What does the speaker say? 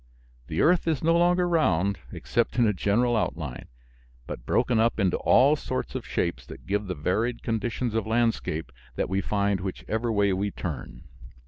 The earth is no longer round, except in general outline, but broken up into all sorts of shapes that give the varied conditions of landscape that we find whichever way we turn.